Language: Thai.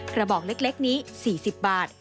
กระบอกเล็กนี้๔๐บาท